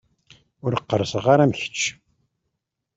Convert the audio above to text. Ur qqerṣeɣ ara am kečč.